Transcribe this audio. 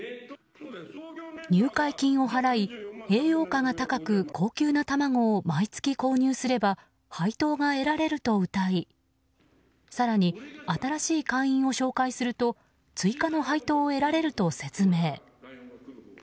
入会金を払い、栄養価が高く高級な卵を毎月購入すれば配当が得られるとうたい更に新しい会員を紹介すると追加の配当を得られると説明。